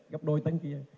gấp đôi tấn kia